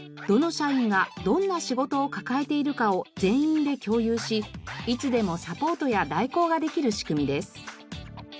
どの社員がどんな仕事を抱えているかを全員で共有しいつでもサポートや代行ができる仕組みです。